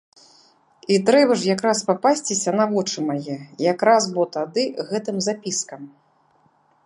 І трэба ж якраз папасціся на вочы мае якраз бо тады гэтым запіскам!